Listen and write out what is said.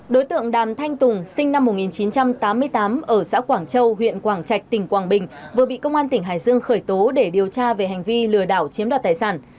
đối tượng đàn thanh tùng sinh năm một nghìn chín trăm tám mươi tám ở xã quảng châu huyện quảng trạch tỉnh quảng bình vừa bị công an tỉnh hải dương khởi tố để điều tra về hành vi lừa đảo chiếm đoạt tài sản